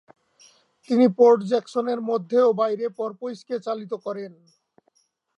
তিনি পোর্ট জ্যাকসনের মধ্যে এবং বাইরে পর্পোইজকে চালিত করেন।